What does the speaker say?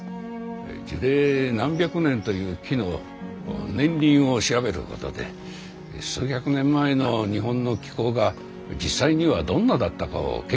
樹齢何百年という木の年輪を調べることで数百年前の日本の気候が実際にはどんなだったかを研究してるんです。